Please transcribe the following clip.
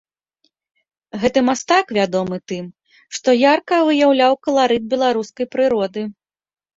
Гэты мастак вядомы тым, што ярка выяўляў каларыт беларускай прыроды.